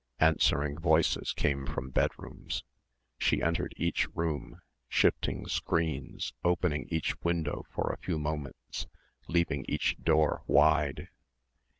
Answering voices came from the bedrooms. She entered each room, shifting screens, opening each window for a few moments, leaving each door wide.